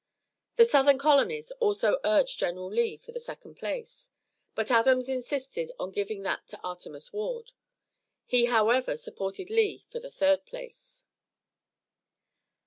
The southern colonies also urged General Lee for the second place, but Adams insisted on giving that to Artemas Ward, he, however, supported Lee for the third place.